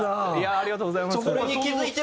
ありがとうございます。